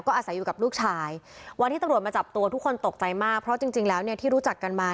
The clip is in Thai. อาศัยอยู่กับลูกชายวันที่ตำรวจมาจับตัวทุกคนตกใจมากเพราะจริงแล้วเนี่ยที่รู้จักกันมา